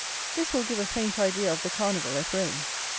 This will give a faint idea of the Carnival at Rome.